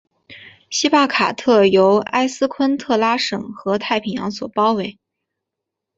锡帕卡特由埃斯昆特拉省和太平洋所包围。